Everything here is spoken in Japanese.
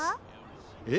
えっ！